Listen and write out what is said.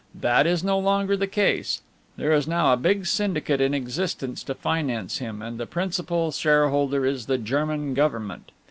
That is no longer the case. There is now a big syndicate in existence to finance him, and the principal shareholder is the German Government.